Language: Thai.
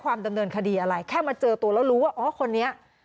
ดำเนินคดีอะไรแค่มาเจอตัวแล้วรู้ว่าอ๋อคนนี้